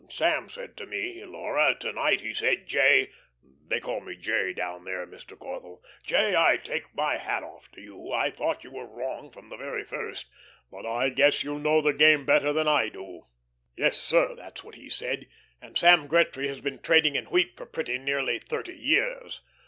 Sam said to me Laura, to night, he said, 'J.,' they call me 'J.' down there, Mr. Corthell 'J., I take off my hat to you. I thought you were wrong from the very first, but I guess you know this game better than I do.' Yes, sir, that's what he said, and Sam Gretry has been trading in wheat for pretty nearly thirty years.